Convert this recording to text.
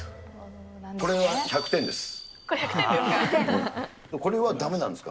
これは１００点です。